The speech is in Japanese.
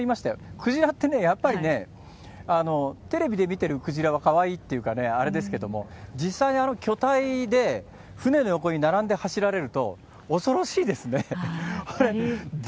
クジラってね、やっぱりテレビで見てるクジラはかわいいっていうかね、あれですけれども、実際にあの巨体で船の横に並んで走られると、やっぱり。でしょうね。